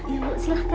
iya bu silahkan